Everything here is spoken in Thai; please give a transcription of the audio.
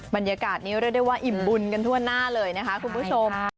บรรยากาศนี้เรียกได้ว่าอิ่มบุญกันทั่วหน้าเลยนะคะคุณผู้ชม